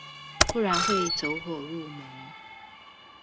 不然會走火入魔